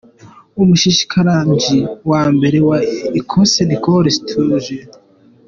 Umushikiranganji wa mbere wa Ecosse Nicola Sturgeo.